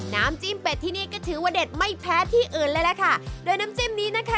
น้ำจิ้มเป็ดที่นี่ก็ถือว่าเด็ดไม่แพ้ที่อื่นเลยล่ะค่ะโดยน้ำจิ้มนี้นะคะ